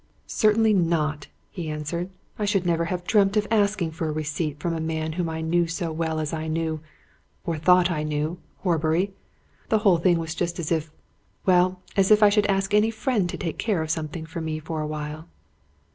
"Certainly not!" he answered. "I should never have dreamt of asking for a receipt from a man whom I knew as well as I knew or thought I knew Horbury. The whole thing was just as if well, as if I should ask any friend to take care of something for me for a while."